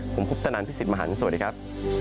ผมพุทธนันทร์พี่สิทธิ์มหานสวัสดีครับ